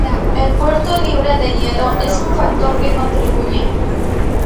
El puerto libre de hielo es un factor que contribuye.